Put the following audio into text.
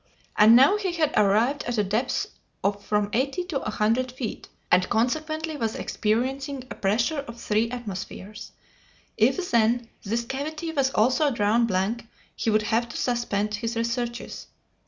And now he had arrived at a depth of from eighty to a hundred feet, and consequently was experiencing a pressure of three atmospheres. If, then, this cavity was also drawn blank, he would have to suspend his researches.